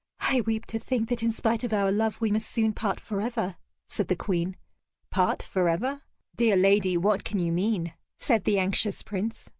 "I weep to think that in spite of our love we must soon part forever," said the Queen. "Part forever? Dear lady, what can you mean?" said the anxious Prince.